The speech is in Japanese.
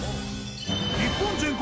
日本全国